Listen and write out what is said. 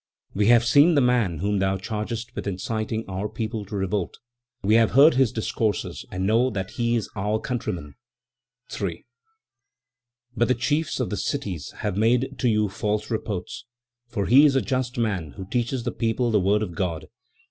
"We have seen the man whom thou chargest with inciting our people to revolt; we have heard his discourses and know that he is our countryman; 3. "But the chiefs of the cities have made to you false reports, for he is a just man, who teaches the people the word of God.